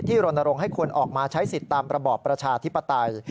รณรงค์ให้คนออกมาใช้สิทธิ์ตามระบอบประชาธิปไตย